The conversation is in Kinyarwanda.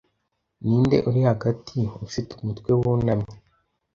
Ninde uri hagati ufite umutwe wunamye